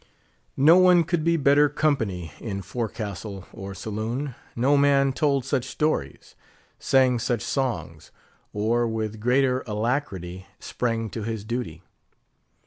No one could be better company in forecastle or saloon; no man told such stories, sang such songs, or with greater alacrity sprang to his duty.